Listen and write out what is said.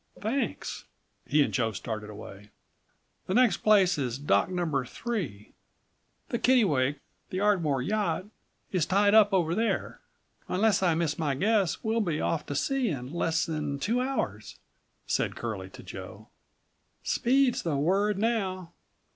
"Thanks." He and Joe started away. "Next place is Dock No. 3. The Kittlewake, the Ardmore yacht, is tied up over there. Unless I miss my guess we'll be off to sea in less than two hours," said Curlie to Joe. "Speed's the word now.